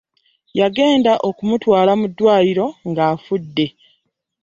Yagenda okumutwala mu dwaliro nga afudde .